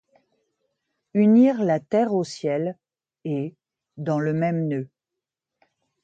Unir la terre au ciel ; et, dans le même nœud